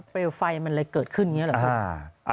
ไฟมันเลยเกิดขึ้นอย่างนี้เหรอครับ